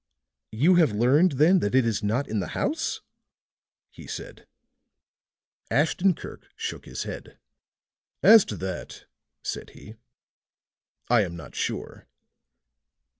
"You have learned, then, that it is not in the house!" he said. Ashton Kirk shook his head. "As to that," said he, "I am not sure.